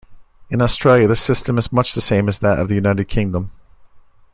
In Australia, the system is much the same as that of the United Kingdom.